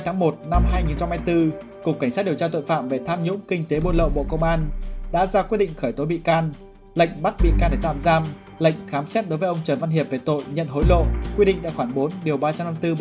ngày bốn hai một hai nghìn hai mươi bốn cục cảnh sát điều tra tội phạm về tham nhũng kinh tế bôn lộ bộ công an đã ra quyết định khởi tối bị can lệnh bắt bị can để tạm giam lệnh khám xét đối với ông trần văn hiệp về tội nhận hối lộ quyết định tại khoảng bốn ba trăm năm mươi bốn bộ luyện sự